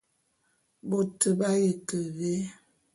Bôt b'aye ke vé?